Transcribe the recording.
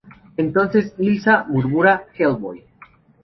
Entonces Ilsa murmura "Hellboy".